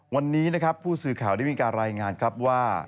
วันนี้นะครับผู้สื่อข่าวได้มีการรายงานครับว่า